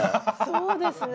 そうですね。